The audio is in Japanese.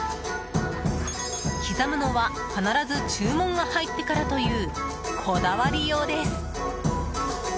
刻むのは必ず注文が入ってからという、こだわりようです。